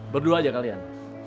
berdua aja kalian